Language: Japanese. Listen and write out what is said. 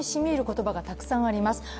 言葉がたくさんあります。